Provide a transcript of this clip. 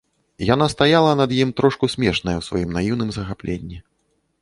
Яна стаяла над ім трошку смешная ў сваім наіўным захапленні.